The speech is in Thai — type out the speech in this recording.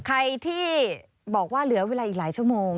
ใครที่บอกว่าเหลือเวลาอีกหลายชั่วโมง